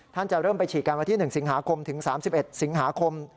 จะเริ่มไปฉีดกันวันที่๑สิงหาคมถึง๓๑สิงหาคม